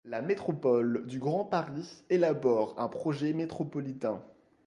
La métropole du Grand Paris élabore un projet métropolitain.